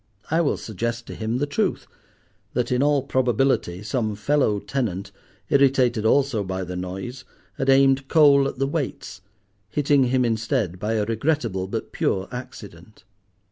I will suggest to him the truth—that in all probability some fellow tenant, irritated also by the noise, had aimed coal at the Waits, hitting him instead by a regrettable but pure accident.